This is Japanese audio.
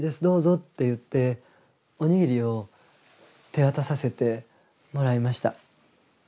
どうぞ」って言っておにぎりを手渡させてもらいました。